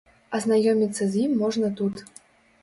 Азнаёміцца з ім можна тут.